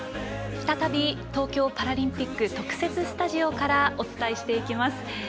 再び東京パラリンピック特設スタジオからお伝えしていきます。